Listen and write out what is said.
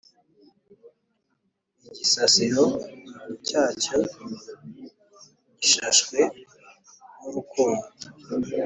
Igisasiro cyacyo gishashwe n’urukundo